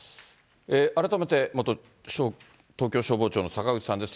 改めて元東京消防庁の坂口さんです。